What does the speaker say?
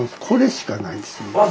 これしかないんですね。